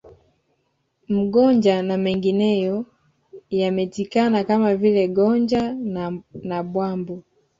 Mgonja na mengineyo yametikana Kama vile Gonja na Bwambo